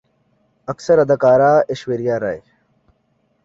اکثر اداکارہ ایشوریا رائے